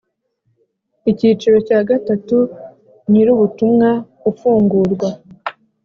Icyiciro cya gatatu Nyirubutumwa ifungurwa